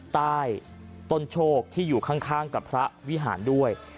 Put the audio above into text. ใต้ต้นโชคที่อยู่ข้างกับพระวิหารด้วย